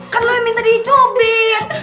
kan lo yang minta dicubit